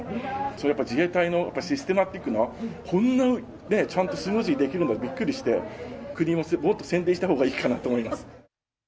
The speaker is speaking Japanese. やっぱり自衛隊のシステマティックな、こんなね、ちゃんとスムーズにできるのはびっくりして、国ももっと宣伝したほうがいいかなと思います。